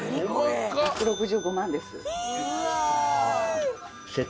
１６５万です。